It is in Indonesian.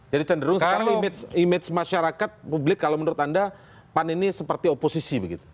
jadi cenderung sekarang image masyarakat publik kalau menurut anda pan ini seperti oposisi begitu